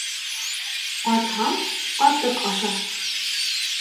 Ҡатһаң, ҡатыҡ аша.